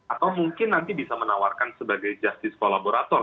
atau mungkin nanti bisa menawarkan sebagai justice kolaborator